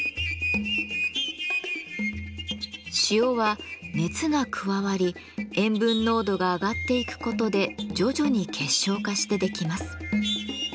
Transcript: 塩は熱が加わり塩分濃度が上がっていくことで徐々に結晶化してできます。